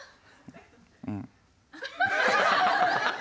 うん。